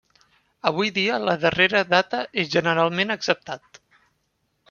Avui dia la darrera data és generalment acceptat.